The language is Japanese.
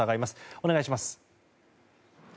お願いします。